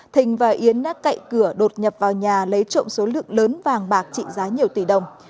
thình và yến đã cậy cửa đột nhập vào nhà lấy trộm số lượng lớn vàng bạc trị giá nhiều tỷ đồng